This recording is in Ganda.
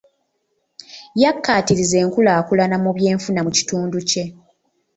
Yakkaatiriza enkulaakulana mu byenfuna mu kitundu kye.